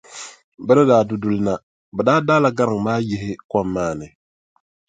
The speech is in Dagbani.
Bɛ ni daa du duli na, bɛ daa daala ŋariŋ maa yihi kom maa ni.